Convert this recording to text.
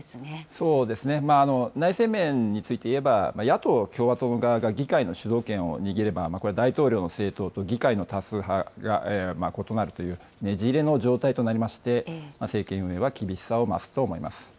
そうですね、内政面についていえば、野党・共和党の側が議会の主導権を握れば、大統領の政党と議会の多数派が異なるという、ねじれの状態となりまして、政権運営は厳しさを増すと思います。